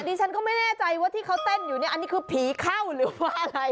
ดิฉันก็ไม่แน่ใจว่าที่เขาเต้นอยู่เนี่ยอันนี้คือผีเข้าหรือว่าอะไร